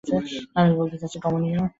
আমি বলতে চাচ্ছি কমনীয়।